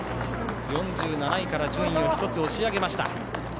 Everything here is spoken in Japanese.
４７位から順位を１つ押し上げました。